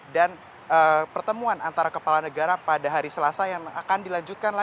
dan pertemuan antara kepala negara pada hari selasa yang akan dilanjutkan